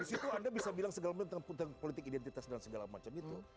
di situ anda bisa bilang segala macam tentang politik identitas dan segala macam itu